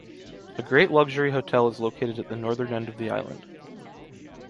A great luxury hotel is located at the northern end of the island.